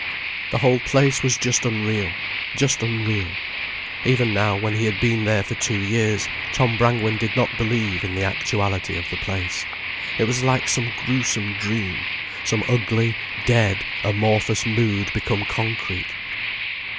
The whole place was just unreal, just unreal. Even now, when he had been there for two years, Tom Brangwen did not believe in the actuality of the place. It was like some gruesome dream, some ugly, dead, amorphous mood become concrete.